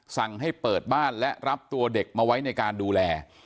สั่งให้เปิดบ้านและรับตัวเด็กมาไว้ในการดูแล